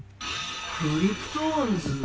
クリプトオンズ？